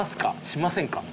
しませんか？